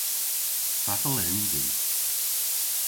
Fatel en vy?